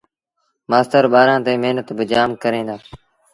مآستر ٻآرآݩ تي مهنت با جآم ڪريݩ دآ